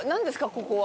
ここは。